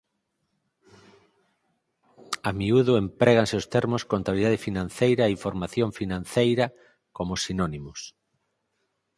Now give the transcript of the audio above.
A miúdo empréganse os termos «contabilidade financeira» e «información financeira» como sinónimos.